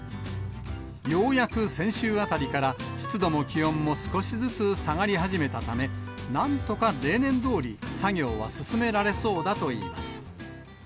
ようやく先週あたりから、湿度も気温も少しずつ下がり始めたため、なんとか例年どおり作業は進められそうだといいます。